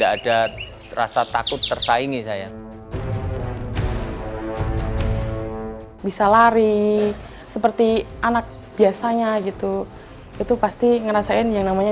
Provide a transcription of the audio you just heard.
ada rasa takut tersaingi saya bisa lari seperti anak biasanya gitu itu pasti ngerasain yang namanya